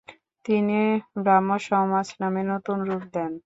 তিনি ব্রাহ্মসমাজ নামে নতুন রূপ দেন।